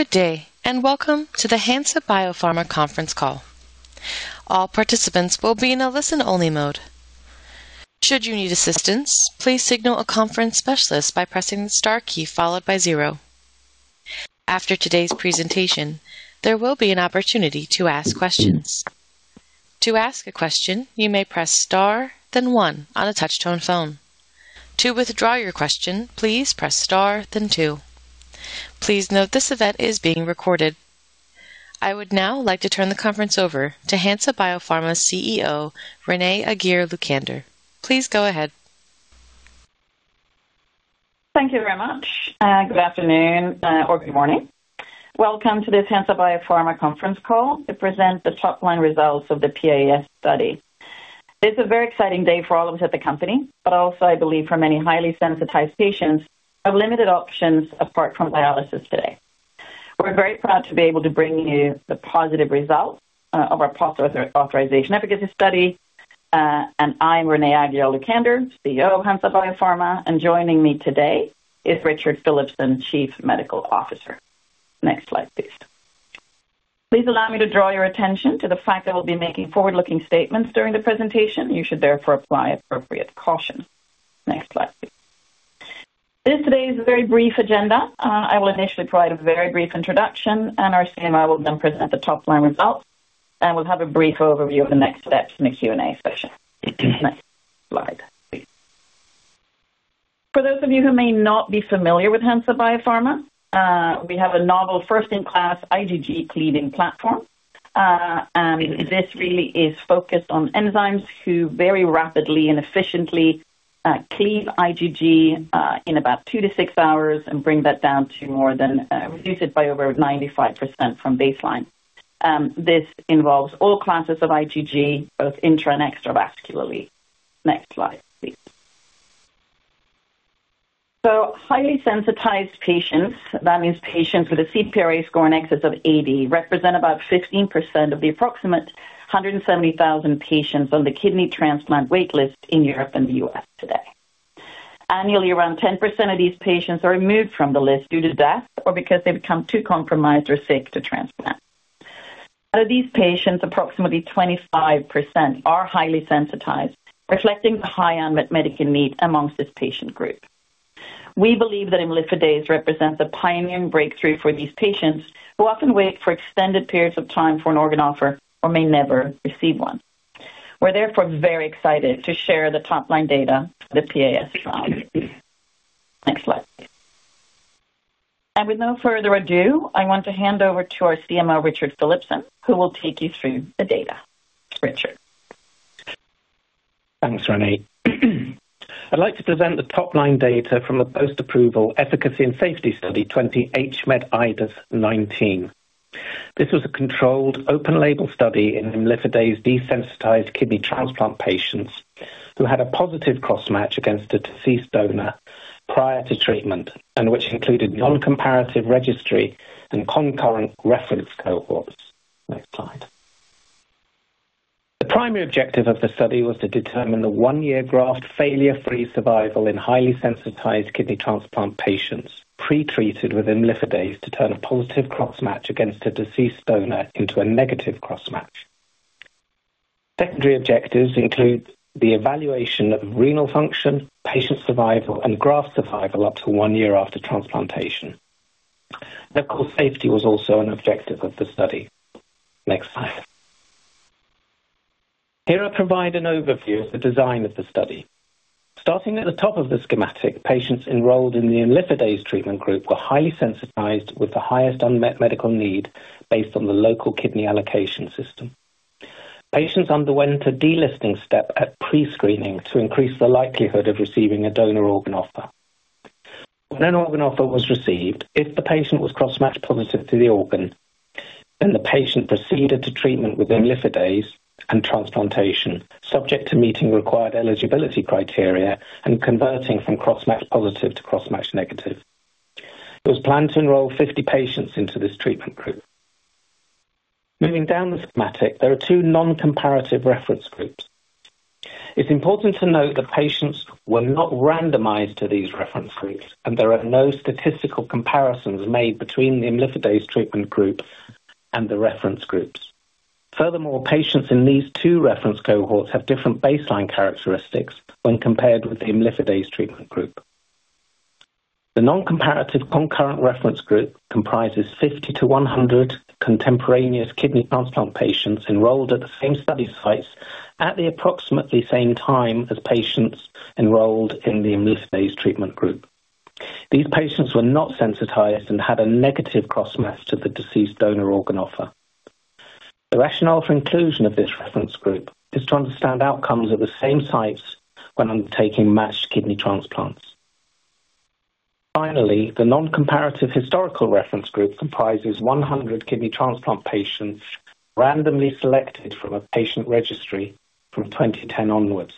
Good day, and welcome to the Hansa Biopharma conference call. All participants will be in a listen-only mode. Should you need assistance, please signal a conference specialist by pressing the star key followed by zero. After today's presentation, there will be an opportunity to ask questions. To ask a question, you may press star, then one on a touch-tone phone. To withdraw your question, please press star then two. Please note this event is being recorded. I would now like to turn the conference over to Hansa Biopharma CEO, Renée Aguiar-Lucander. Please go ahead. Thank you very much. Good afternoon or good morning. Welcome to this Hansa Biopharma conference call to present the top-line results of the PAES study. This is a very exciting day for all of us at the company, but also, I believe, for many highly sensitized patients who have limited options apart from dialysis today. We're very proud to be able to bring you the positive results of our post-authorization efficacy study. I'm Renée Aguiar-Lucander, CEO of Hansa Biopharma, and joining me today is Richard Philipson, Chief Medical Officer. Next slide, please. Please allow me to draw your attention to the fact that we'll be making forward-looking statements during the presentation. You should therefore apply appropriate caution. Next slide, please. This is today's very brief agenda. I will initially provide a very brief introduction, and our CMO will then present the top-line results. We'll have a brief overview of the next steps and the Q&A session. Next slide, please. For those of you who may not be familiar with Hansa Biopharma, we have a novel first-in-class IgG cleaving platform. This really is focused on enzymes who very rapidly and efficiently cleave IgG in about two to six hours and reduce it by over 95% from baseline. This involves all classes of IgG, both intra and extravascularly. Next slide, please. Highly sensitized patients, that means patients with a CPRA score in excess of 80, represent about 15% of the approximate 170,000 patients on the kidney transplant wait list in Europe and the U.S. today. Annually, around 10% of these patients are removed from the list due to death or because they become too compromised or sick to transplant. Out of these patients, approximately 25% are highly sensitized, reflecting the high unmet medical need amongst this patient group. We believe that imlifidase represents a pioneering breakthrough for these patients, who often wait for extended periods of time for an organ offer or may never receive one. We're therefore very excited to share the top-line data the PAES trial. Next slide. With no further ado, I want to hand over to our CMO, Richard Philipson, who will take you through the data. Richard. Thanks, Renée. I’d like to present the top-line data from the Post-Approval Efficacy and Safety Study 20-HMedIdeS-19. This was a controlled open-label study in imlifidase desensitized kidney transplant patients who had a positive cross-match against a deceased donor prior to treatment, and which included non-comparative registry and concurrent reference cohorts. Next slide. The primary objective of the study was to determine the one-year graft failure-free survival in highly sensitized kidney transplant patients pre-treated with imlifidase to turn a positive cross-match against a deceased donor into a negative cross-match. Secondary objectives include the evaluation of renal function, patient survival, and graft survival up to one year after transplantation. Of course, safety was also an objective of the study. Next slide. Here I provide an overview of the design of the study. Starting at the top of the schematic, patients enrolled in the imlifidase treatment group were highly sensitized with the highest unmet medical need based on the local kidney allocation system. Patients underwent a delisting step at pre-screening to increase the likelihood of receiving a donor organ offer. When an organ offer was received, if the patient was cross-match positive to the organ, the patient proceeded to treatment with imlifidase and transplantation, subject to meeting required eligibility criteria and converting from cross-match positive to cross-match negative. It was planned to enroll 50 patients into this treatment group. Moving down the schematic, there are two non-comparative reference groups. It is important to note that patients were not randomized to these reference groups, and there are no statistical comparisons made between the imlifidase treatment group and the reference groups. Furthermore, patients in these two reference cohorts have different baseline characteristics when compared with the imlifidase treatment group. The non-comparative concurrent reference group comprises 50 to 100 contemporaneous kidney transplant patients enrolled at the same study sites at the approximately same time as patients enrolled in the imlifidase treatment group. These patients were not sensitized and had a negative cross-match to the deceased donor organ offer. The rationale for inclusion of this reference group is to understand outcomes at the same sites when undertaking matched kidney transplants. Finally, the non-comparative historical reference group comprises 100 kidney transplant patients randomly selected from a patient registry from 2010 onwards.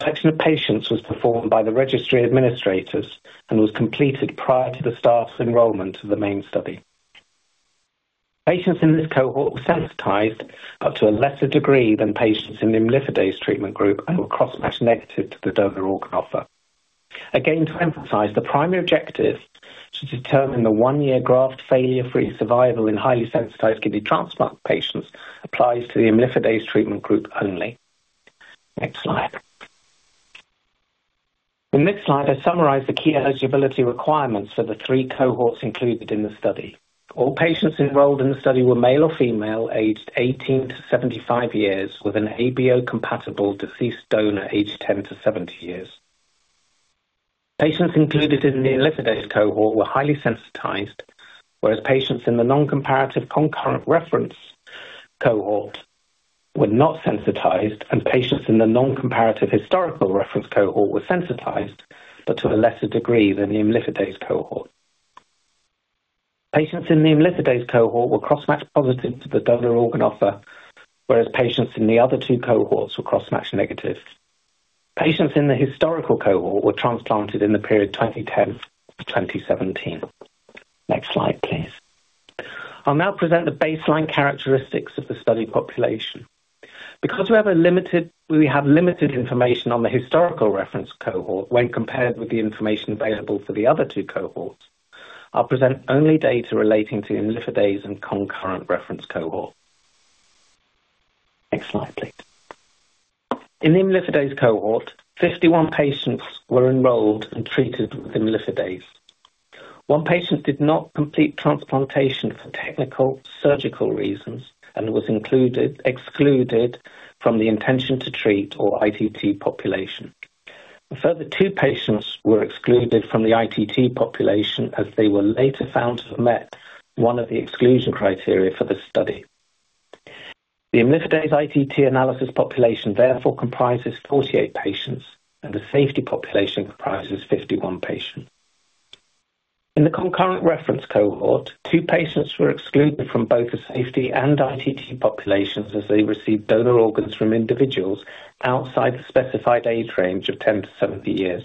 Selection of patients was performed by the registry administrators and was completed prior to the start of enrollment of the main study. Patients in this cohort were sensitized up to a lesser degree than patients in the imlifidase treatment group and were cross-match negative to the donor organ offer. Again, to emphasize, the primary objective to determine the one-year graft failure-free survival in highly sensitized kidney transplant patients applies to the imlifidase treatment group only. Next slide. In this slide, I summarize the key eligibility requirements for the three cohorts included in the study. All patients enrolled in the study were male or female, aged 18 to 75 years, with an ABO compatible deceased donor aged 10 to 70 years. Patients included in the imlifidase cohort were highly sensitized, whereas patients in the non-comparative concurrent reference cohort were not sensitized, and patients in the non-comparative historical reference cohort were sensitized, but to a lesser degree than the imlifidase cohort. Patients in the imlifidase cohort were cross-match positive to the donor organ offer, whereas patients in the other two cohorts were cross-match negative. Patients in the historical cohort were transplanted in the period 2010 to 2017. Next slide, please. I'll now present the baseline characteristics of the study population. Because we have limited information on the historical reference cohort when compared with the information available for the other two cohorts, I'll present only data relating to imlifidase and concurrent reference cohort. Next slide, please. In the imlifidase cohort, 51 patients were enrolled and treated with imlifidase. One patient did not complete transplantation for technical surgical reasons and was excluded from the intention to treat, or ITT, population. A further two patients were excluded from the ITT population as they were later found to have met one of the exclusion criteria for the study. The imlifidase ITT analysis population therefore comprises 48 patients, and the safety population comprises 51 patients. In the concurrent reference cohort, two patients were excluded from both the safety and ITT populations as they received donor organs from individuals outside the specified age range of 10 to 70 years.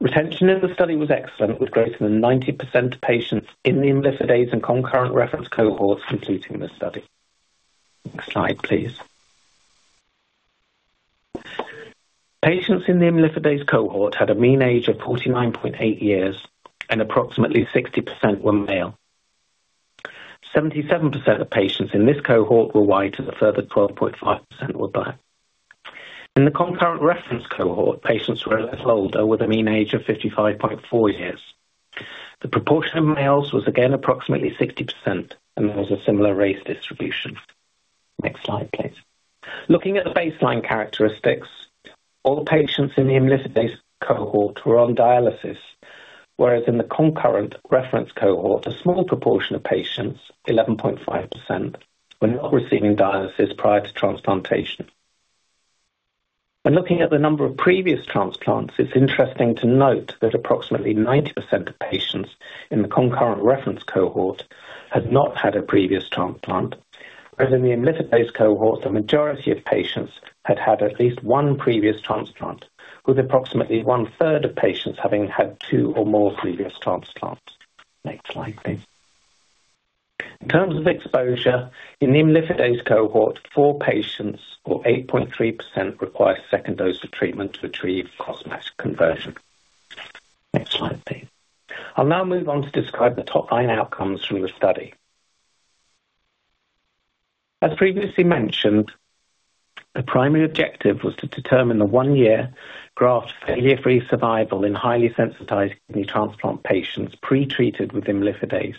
Retention in the study was excellent, with greater than 90% of patients in the imlifidase and concurrent reference cohorts completing the study. Next slide, please. Patients in the imlifidase cohort had a mean age of 49.8 years and approximately 60% were male. 77% of patients in this cohort were White and a further 12.5% were Black. In the concurrent reference cohort, patients were less old, with a mean age of 55.4 years. The proportion of males was again approximately 60%, and there was a similar race distribution. Next slide, please. Looking at the baseline characteristics, all patients in the imlifidase cohort were on dialysis, whereas in the concurrent reference cohort, a small proportion of patients, 11.5%, were not receiving dialysis prior to transplantation. When looking at the number of previous transplants, it's interesting to note that approximately 90% of patients in the concurrent reference cohort had not had a previous transplant, whereas in the imlifidase cohort, the majority of patients had had at least one previous transplant, with approximately one-third of patients having had two or more previous transplants. Next slide, please. In terms of exposure, in the imlifidase cohort, four patients or 8.3% required second dose of treatment to achieve cross-match conversion. Next slide, please. I'll now move on to describe the top-line outcomes from the study. As previously mentioned, the primary objective was to determine the one-year graft failure-free survival in highly sensitized kidney transplant patients pre-treated with imlifidase.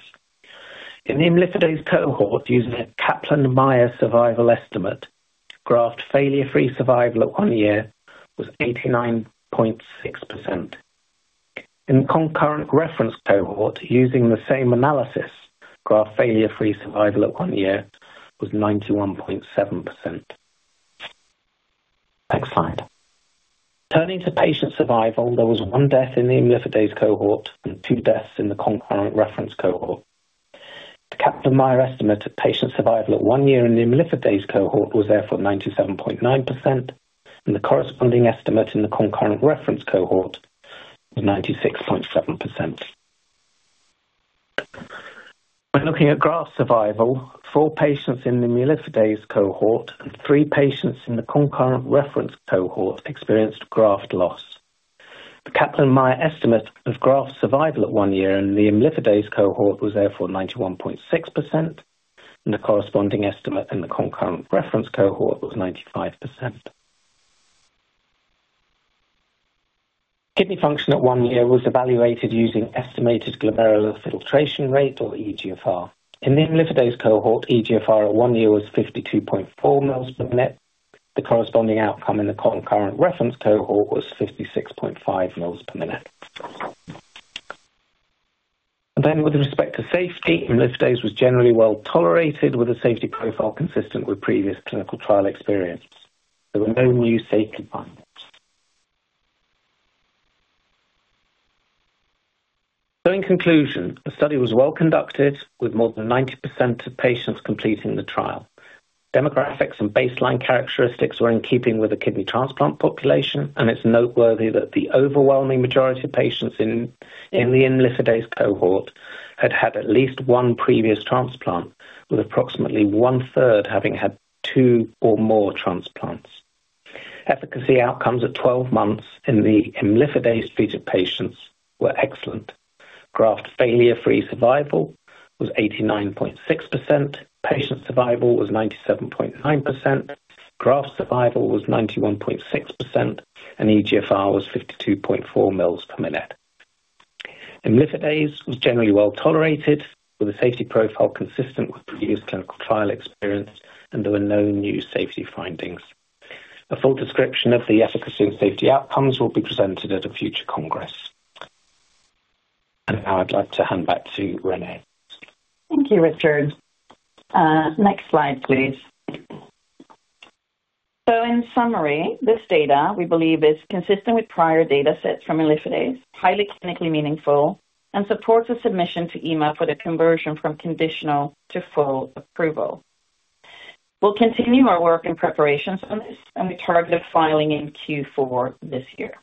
In the imlifidase cohort, using a Kaplan-Meier survival estimate, graft failure-free survival at one year was 89.6%. In the concurrent reference cohort using the same analysis, graft failure-free survival at one year was 91.7%. Next slide. Turning to patient survival, there was one death in the imlifidase cohort and two deaths in the concurrent reference cohort. The Kaplan-Meier estimate of patient survival at one year in the imlifidase cohort was therefore 97.9%, and the corresponding estimate in the concurrent reference cohort was 96.7%. When looking at graft survival, four patients in the imlifidase cohort and three patients in the concurrent reference cohort experienced graft loss. The Kaplan-Meier estimate of graft survival at one year in the imlifidase cohort was therefore 91.6%, and the corresponding estimate in the concurrent reference cohort was 95%. Kidney function at one year was evaluated using estimated glomerular filtration rate, or eGFR. In the imlifidase cohort, eGFR at one year was 52.4 mils per minute. The corresponding outcome in the concurrent reference cohort was 56.5 mils per minute. With respect to safety, imlifidase was generally well-tolerated with a safety profile consistent with previous clinical trial experience. There were no new safety findings. In conclusion, the study was well conducted with more than 90% of patients completing the trial. Demographics and baseline characteristics were in keeping with the kidney transplant population, and it is noteworthy that the overwhelming majority of patients in the imlifidase cohort had had at least one previous transplant, with approximately one-third having had two or more transplants. Efficacy outcomes at 12 months in the imlifidase treated patients were excellent. Graft failure-free survival was 89.6%. Patient survival was 97.9%. Graft survival was 91.6%, and eGFR was 52.4 mils per minute. Imlifidase was generally well-tolerated, with a safety profile consistent with previous clinical trial experience, and there were no new safety findings. A full description of the efficacy and safety outcomes will be presented at a future congress. Now I would like to hand back to Renée. Thank you, Richard. Next slide, please. In summary, this data, we believe, is consistent with prior data sets from imlifidase, highly clinically meaningful, and supports a submission to EMA for the conversion from conditional to full approval. We'll continue our work and preparations on this and we target filing in Q4 this year.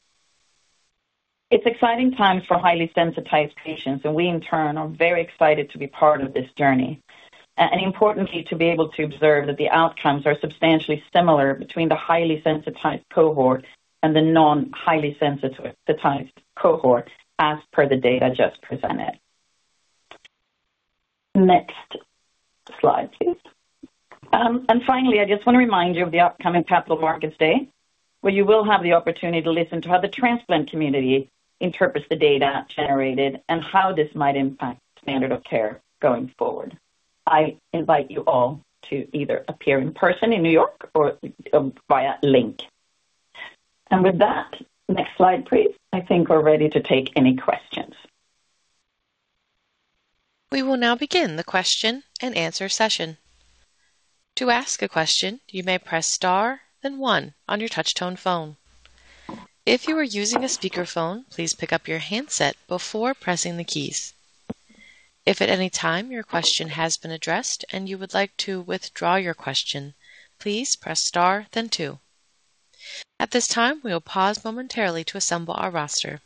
It's exciting times for highly sensitized patients, we in turn are very excited to be part of this journey and importantly, to be able to observe that the outcomes are substantially similar between the highly sensitized cohort and the non-highly sensitized cohort as per the data just presented. Next slide, please. Finally, I just want to remind you of the upcoming Capital Markets Day, where you will have the opportunity to listen to how the transplant community interprets the data generated and how this might impact standard of care going forward. I invite you all to either appear in person in New York or via link. With that, next slide, please. I think we are ready to take any questions. We will now begin the question and answer session. To ask a question, you may press star, then one on your touchtone phone. If you are using a speakerphone, please pick up your handset before pressing the keys. If at any time your question has been addressed and you would like to withdraw your question, please press star then two. At this time, we will pause momentarily to assemble our roster.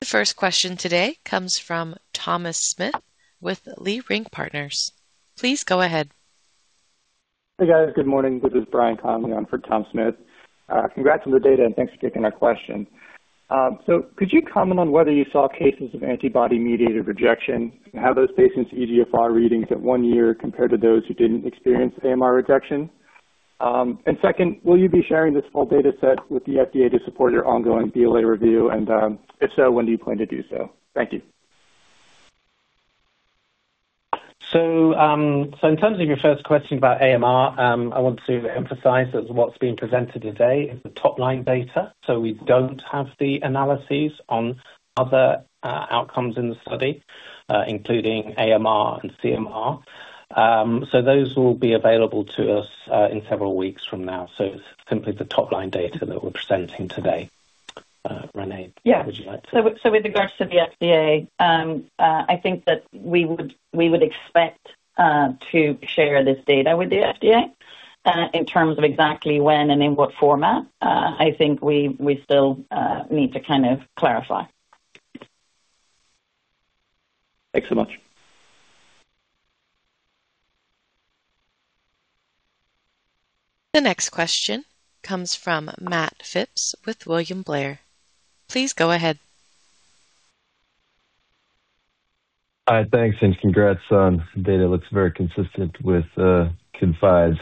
The first question today comes from Thomas Smith with Leerink Partners. Please go ahead. Hey, guys. Good morning. This is Brian Conley on for Thomas Smith. Congrats on the data, thanks for taking our question. Could you comment on whether you saw cases of antibody-mediated rejection and how those patients' eGFR readings at one year compared to those who didn't experience AMR rejection? Second, will you be sharing this full data set with the FDA to support your ongoing BLA review, and if so, when do you plan to do so? Thank you. In terms of your first question about AMR, I want to emphasize that what's being presented today is the top-line data. We don't have the analyses on other outcomes in the study, including AMR and CMR. Those will be available to us in several weeks from now. It's simply the top-line data that we're presenting today. Renée, would you like to Yeah. With regards to the FDA, I think that we would expect to share this data with the FDA. In terms of exactly when and in what format, I think we still need to kind of clarify. Thanks so much. The next question comes from Matt Phipps with William Blair. Please go ahead. Hi. Thanks, and congrats on the data. It looks very consistent with ConfIdeS.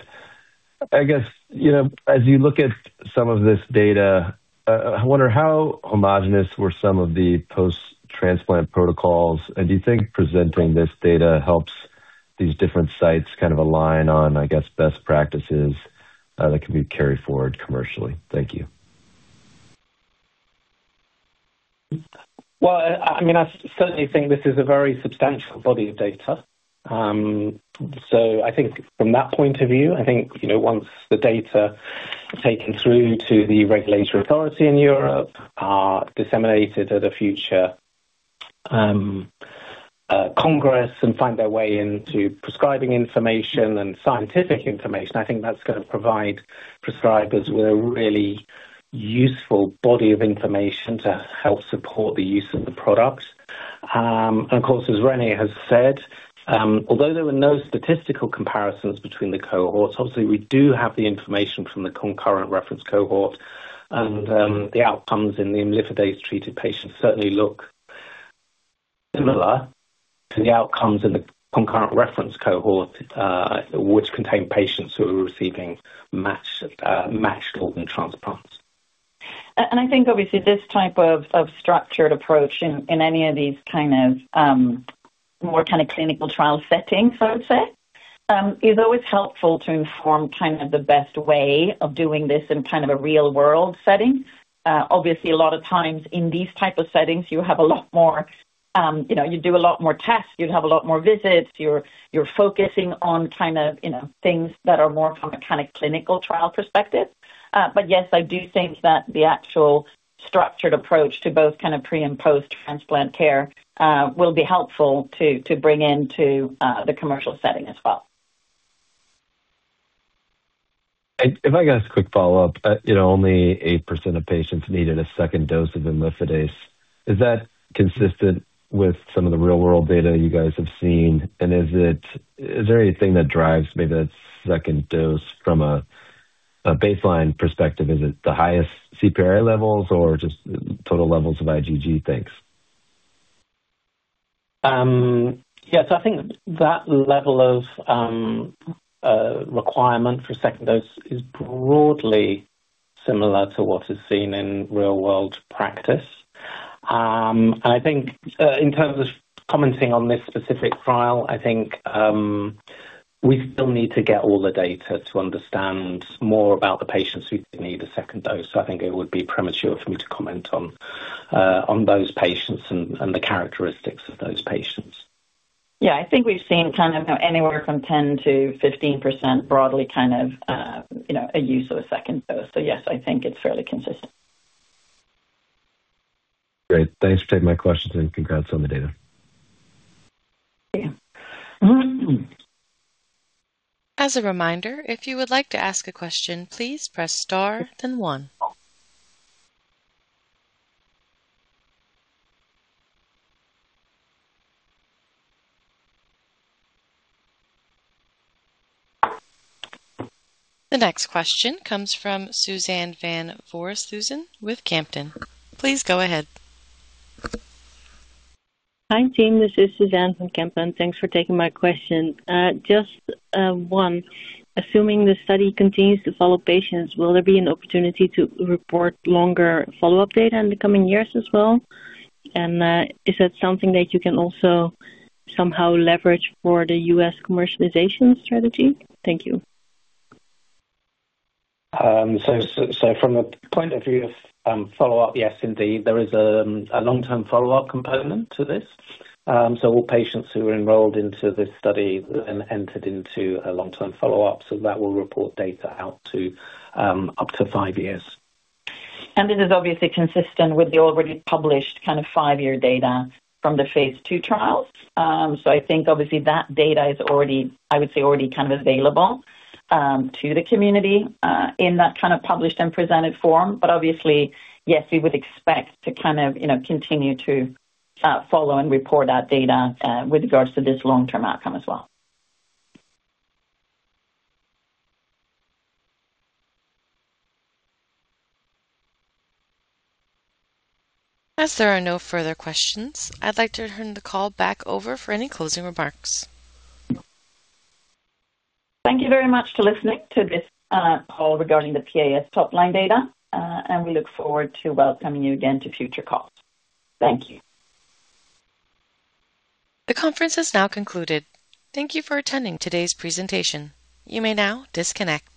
I guess, as you look at some of this data, I wonder how homogeneous were some of the post-transplant protocols, and do you think presenting this data helps these different sites kind of align on, I guess, best practices that can be carried forward commercially? Thank you. I certainly think this is a very substantial body of data. I think from that point of view, I think, once the data are taken through to the regulatory authority in Europe, are disseminated at a future congress, and find their way into prescribing information and scientific information, I think that's going to provide prescribers with a really useful body of information to help support the use of the product. Of course, as Renée has said, although there were no statistical comparisons between the cohorts, obviously we do have the information from the concurrent reference cohort and the outcomes in the imlifidase-treated patients certainly look similar to the outcomes in the concurrent reference cohort, which contain patients who are receiving matched organ transplants. I think obviously this type of structured approach in any of these more kind of clinical trial settings, I would say, is always helpful to inform the best way of doing this in a real-world setting. Obviously, a lot of times in these type of settings, you do a lot more tests, you have a lot more visits. You're focusing on things that are more from a clinical trial perspective. Yes, I do think that the actual structured approach to both pre and post-transplant care will be helpful to bring into the commercial setting as well. If I could ask a quick follow-up. Only 8% of patients needed a second dose of imlifidase. Is that consistent with some of the real world data you guys have seen? Is there anything that drives maybe that second dose from a baseline perspective? Is it the highest CPRA levels or just total levels of IgG? Thanks. Yeah. I think that level of requirement for a second dose is broadly similar to what is seen in real world practice. In terms of commenting on this specific trial, I think we still need to get all the data to understand more about the patients who need a second dose. I think it would be premature for me to comment on those patients and the characteristics of those patients. Yeah, I think we've seen anywhere from 10%-15% broadly, a use of a second dose. Yes, I think it's fairly consistent. Great. Thanks for taking my questions and congrats on the data. Yeah. As a reminder, if you would like to ask a question, please press star then one. The next question comes from Suzanne van Voorthuizen with Kempen. Please go ahead. Hi team, this is Suzanne from Kempen. Thanks for taking my question. Just one. Assuming the study continues to follow patients, will there be an opportunity to report longer follow-up data in the coming years as well? Is that something that you can also somehow leverage for the U.S. commercialization strategy? Thank you. From the point of view of follow-up, yes indeed. There is a long-term follow-up component to this. All patients who are enrolled into this study and entered into a long-term follow-up, so that will report data out to up to five years. This is obviously consistent with the already published five year data from the phase II trials. I think obviously that data is, I would say, already available to the community in that published and presented form. Obviously, yes, we would expect to continue to follow and report that data with regards to this long-term outcome as well. As there are no further questions, I'd like to turn the call back over for any closing remarks. Thank you very much to listening to this call regarding the PAES top line data. We look forward to welcoming you again to future calls. Thank you. The conference has now concluded. Thank you for attending today's presentation. You may now disconnect.